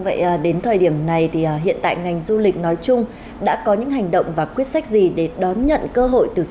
bộ y tế khuyến cáo tránh lạm dụng chỉ định không cần thiết